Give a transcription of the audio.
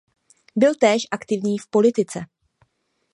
Byl též aktivní v politice.